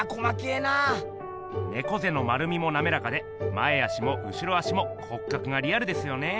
ねこぜの丸みもなめらかで前足も後ろ足も骨格がリアルですよね！